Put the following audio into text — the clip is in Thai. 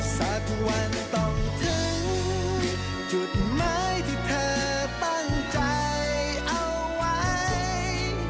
สักวันต้องถึงจุดหมายที่เธอตั้งใจเอาไว้